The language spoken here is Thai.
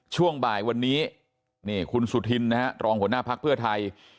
ช่วงบ่ายวันนี้นี่คุณสุธินนะฮะรองหัวหน้าภักดิ์เพื่อไทย